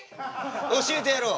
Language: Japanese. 教えてやろう。